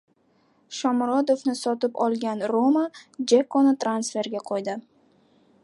Shomurodovni sotib olgan "Roma" Jekoni transferga qo‘ydi